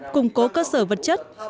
củng cố cơ sở vật chất